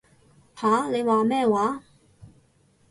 吓？你話咩話？